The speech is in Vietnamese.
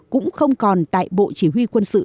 cũng không còn tại bộ chỉ huy quân sự